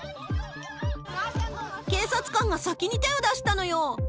警察官が先に手を出したのよ！